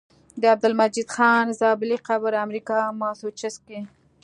د عبدالمجيد خان زابلي قبر امريکا ماسوچست کي